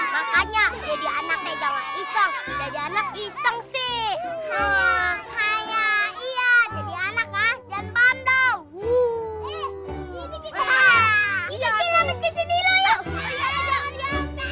makanya jadi anaknya jangan iseng iseng sih iya jadi anaknya jangan pandau